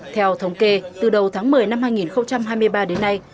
theo thống kê từ đầu tháng một mươi năm hai nghìn hai mươi ba đến nay